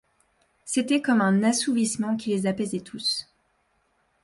C’était comme un assouvissement qui les apaisait tous.